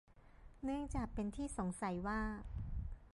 เนื่องจากเป็นที่สงสัยว่า